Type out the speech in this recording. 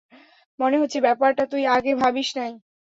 মনে হচ্ছে ব্যাপারটা তুই আগে ভাবিস নাই।